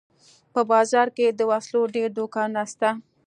په بازار کښې د وسلو ډېر دوکانونه سته.